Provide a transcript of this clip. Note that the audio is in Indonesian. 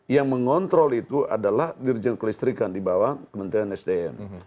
yang mengontrol itu adalah dirjen kelistrikan di bawah kementerian sdm